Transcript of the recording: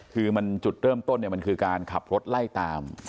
คือมันจุดเริ่มต้นเนี่ยมันคือการขับรถไล่ตาม